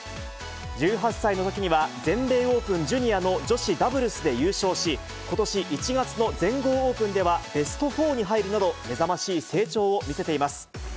１８歳のときには、全米オープンジュニアの女子ダブルスで優勝し、ことし１月の全豪オープンではベスト４に入るなど、目覚ましい成長を見せています。